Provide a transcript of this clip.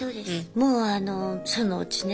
もうあのそのうちね